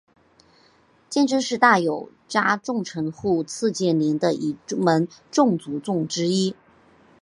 鉴贞是大友家重臣户次鉴连的一门亲族众之一。